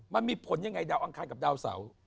มันมีผลยังไงดาวอังคารกับดาวเสา